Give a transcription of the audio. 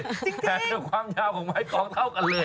แถมในความยาวของไม้กองเท่ากันเลย